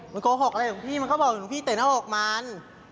มันโกหกอะไรหลวงพี่มันก็บอกหลวงพี่เตะหน้าอกมัน